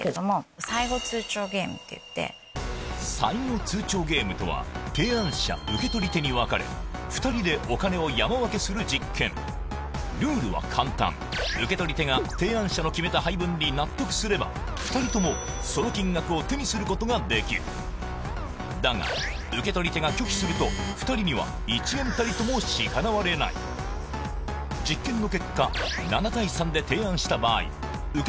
最後通牒ゲームとは提案者受け取り手に分かれ２人でお金を山分けする実験ルールは簡単受け取り手が提案者の決めた配分に納得すれば２人ともその金額を手にすることができるだが受け取り手が拒否すると２人には１円たりとも支払われない実験の結果７：３で提案した場合受け